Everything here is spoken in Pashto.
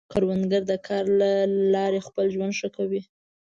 کروندګر د کار له لارې خپل ژوند ښه کوي